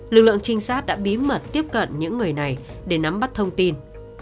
lực lượng trinh sát đã bí mật tiếp cận những người này để nắm bắt thông tin